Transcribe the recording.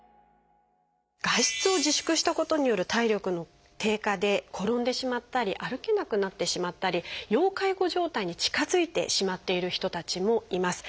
外出を自粛したことによる体力の低下で転んでしまったり歩けなくなってしまったり要介護状態に近づいてしまっている人たちもいます。